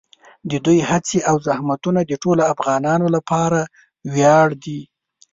د دوی هڅې او زحمتونه د ټولو افغانانو لپاره ویاړ دي.